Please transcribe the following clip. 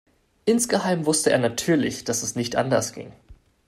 Insgeheim wusste er natürlich, dass es nicht anders ging.